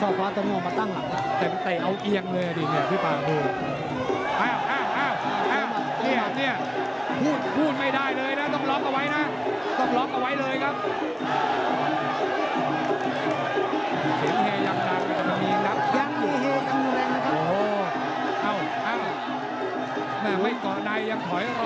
หมัดหรือหมัดหรือหมัดนี่ล่ะฮราชฮาร์มาเซอร์